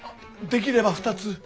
できれば２つ。